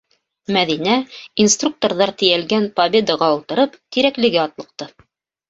Мәҙинә, инструкторҙар тейәлгән «Победа»ға ултырып, Тирәклегә атлыҡты...